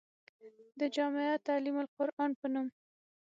د جامعه تعليم القرآن پۀ نوم